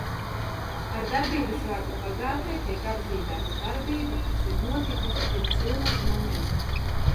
Ar darbības vārdu pagātnē tiek apzīmēta darbība, kas ir notikusi pirms runas momenta.